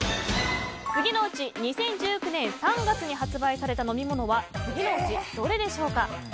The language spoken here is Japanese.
次のうち２０１９年３月に発売された飲み物は次のうちどれでしょうか？